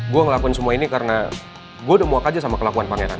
gue ngelakuin semua ini karena gue udah muak aja sama kelakuan pangeran